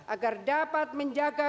agar dapat menjaga